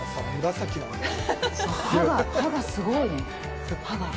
歯が、歯がすごいね、歯が。